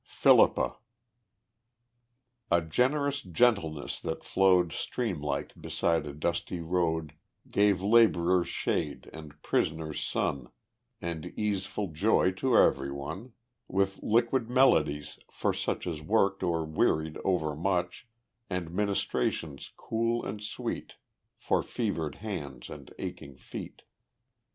Philippa A generous gentleness that flowed, Stream like, beside a dusty road; Gave laborers shade, and prisoners sun, And easeful joy to every one; With liquid melodies for such As worked or wearied overmuch, And ministrations cool and sweet For fevered hands and aching feet.